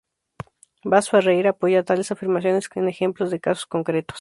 Vaz Ferreira apoya tales afirmaciones en ejemplos de casos concretos.